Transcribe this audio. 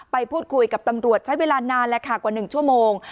ไปพูดคุยกับตำรวจใช้เวลานานแล้วค่ะกว่า๑ชั่วโมง